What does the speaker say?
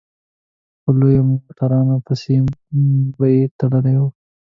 په لویو موټرانو پسې به يې تړلي وو.